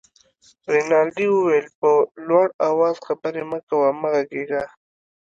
رینالډي وویل: په لوړ آواز خبرې مه کوه، مه غږېږه.